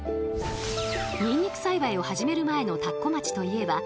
ニンニク栽培を始める前の田子町といえば雪深く